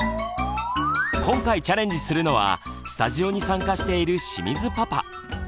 今回チャレンジするのはスタジオに参加している清水パパ。